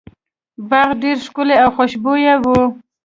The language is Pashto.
باغ ډیر ښکلی او خوشبويه و.